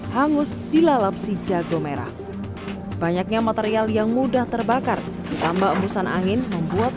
hangus dilalap si jago merah banyaknya material yang mudah terbakar ditambah embusan angin membuat